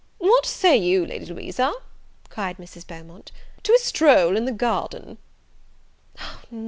"What say you, Lady Louisa," cried Mrs. Beaumont, "to a stroll in the garden?"